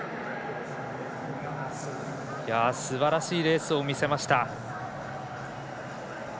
すばらしいレースを見せました。